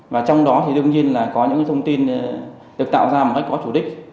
và trong đó thì đương nhiên là có những thông tin được tạo ra một cách có chủ đích